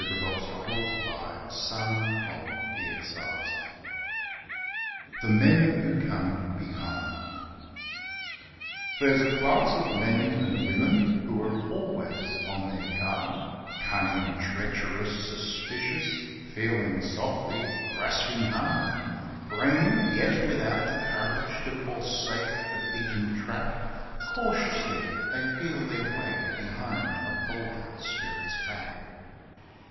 Here's Luck, old man Here's Luck ! THE MEN WHO COME BEHIND THERE'S a class of men (and women) who are always on their guard Cunning, treacherous, suspicious feeling softly grasping hard Brainy, yet without the courage to forsake the beaten track Cautiously they feel their way behind a bolder spirit's back.